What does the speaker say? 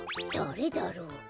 だれだろう？